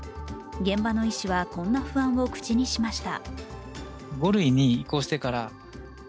現場の医師はこんな不安を口にしました。